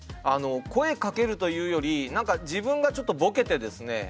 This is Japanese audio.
声かけるというより何か自分がちょっとボケてですね